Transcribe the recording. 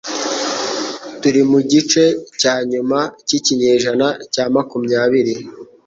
Turi mu gice cya nyuma cyikinyejana cya makumyabiri